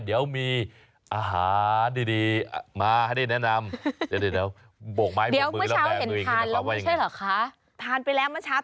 เดี๋ยวมีอาหารดีมาให้ได้แนะนำ